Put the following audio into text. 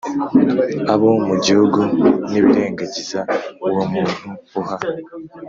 Abo mu gihugu nibirengagiza uwo muntu uha